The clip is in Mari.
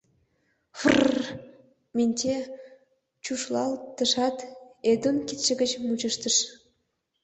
“Фрр!..” — Минтье чушлалтышат, Эдун кидше гыч мучыштыш.